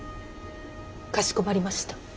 かしこまりました。